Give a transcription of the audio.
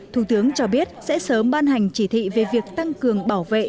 thủ tướng cho biết sẽ sớm ban hành chỉ thị về việc tăng cường bảo vệ